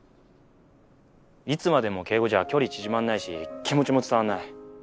いつまでも敬語じゃ距離縮まんないし気持ちも伝わんない。